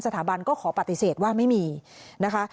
สถาบันก็ขอปฏิเสธว่าไม่มีนะคะ